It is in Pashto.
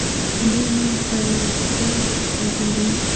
دوی نوري فایبر غځوي.